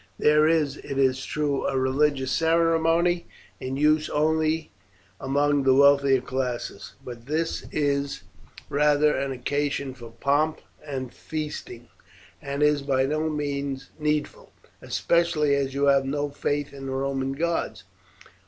There is, it is true, a religious ceremony in use only among the wealthier classes, but this is rather an occasion for pomp and feasting, and is by no means needful, especially as you have no faith in the Roman gods.